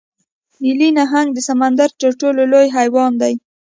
نیلي نهنګ د سمندر تر ټولو لوی حیوان دی